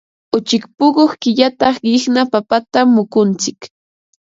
Uchik puquy killachaq qiqna papatam mikuntsik.